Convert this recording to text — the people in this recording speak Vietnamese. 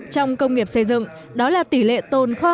trong công nghiệp xây dựng đó là tỷ lệ tồn kho